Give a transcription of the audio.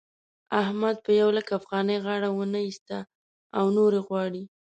احمد په يو لک افغانۍ غاړه و نه اېسته او نورې غواړي.